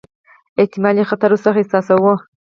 احتمالي خطر ورڅخه احساساوه.